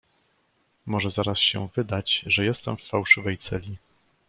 "Może zaraz się wydać, że jestem w fałszywej celi."